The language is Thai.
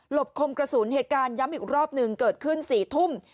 บคมกระสุนเหตุการณ์ย้ำอีกรอบหนึ่งเกิดขึ้น๔ทุ่ม